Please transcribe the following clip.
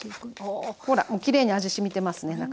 ほらもうきれいに味しみてますね